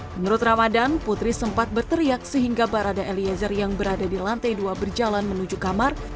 menurut ramadan putri sempat berteriak sehingga barada eliezer yang berada di lantai dua berjalan menuju kamar